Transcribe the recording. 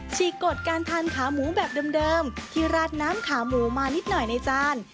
ีกกฎการทานขาหมูแบบเดิมที่ราดน้ำขาหมูมานิดหน่อยในจาน